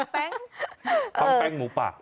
ป้องแป้งหูป่า